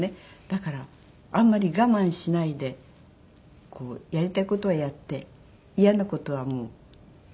だからあんまり我慢しないでやりたい事はやって嫌な事はもう。